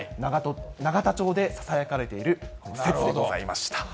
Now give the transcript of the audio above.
永田町でささやかれている節でございました。